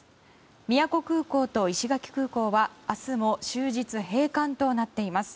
宮古空港と石垣空港は明日も終日閉館となっています。